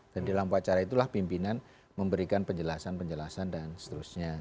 dan dalam upacara itulah pimpinan memberikan penjelasan penjelasan dan seterusnya